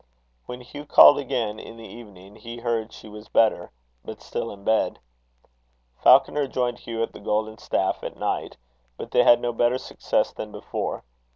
When Hugh called again in the evening, he heard she was better, but still in bed. Falconer joined Hugh at the Golden Staff, at night; but they had no better success than before.